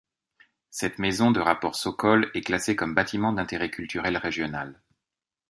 Cette maison de rapport Sokol est classée comme bâtiment d'intérêt culturel régional.